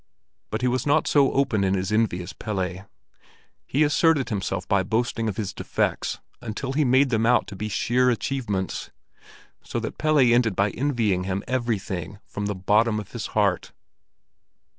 But he was not so open in his envy as Pelle. He asserted himself by boasting of his defects until he made them out to be sheer achievements; so that Pelle ended by envying him everything from the bottom of his heart.